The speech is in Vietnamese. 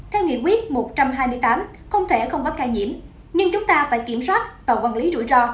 theo nghị quyết một trăm hai mươi tám không thể không có ca nhiễm nhưng chúng ta phải kiểm soát và quản lý rủi ro